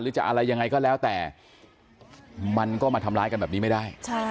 จะอะไรยังไงก็แล้วแต่มันก็มาทำร้ายกันแบบนี้ไม่ได้